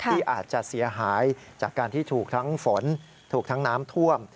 ที่อาจจะเสียหายจากการที่ถูกทั้งฝนถูกทั้งน้ำท่วม